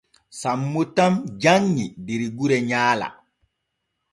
Sammo tan janŋi der gure nyaala.